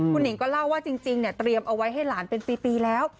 คุณหิงก็เล่าว่าจริงเนี่ยเตรียมเอาไว้ให้หลานเป็นปีแล้ว